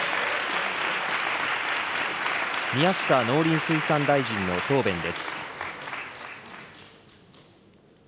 宮下農林水産大臣の答弁です。